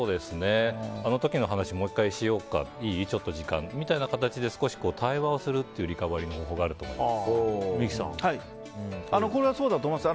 あの時の話もう１回しようかちょっといい時間みたいな感じで対話するっていうリカバリーの方法があると思います。